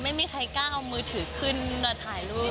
ไม่มีใครกล้าเอามือถือขึ้นมาถ่ายรูป